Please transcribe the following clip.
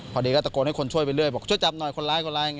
พอดีก็ตะโกนให้คนช่วยไปเรื่อยบอกช่วยจับหน่อยคนร้ายคนร้าย